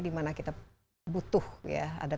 dimana kita butuh ya ada